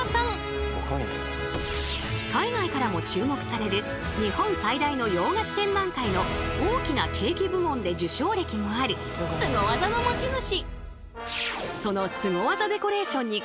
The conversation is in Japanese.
海外からも注目される日本最大の洋菓子展覧会の「大きなケーキ」部門で受賞歴もあるスゴ技の持ち主。